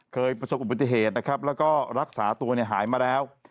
เคยประสบความอุบัติเหตุและรักษาตัวหายมาแล้ว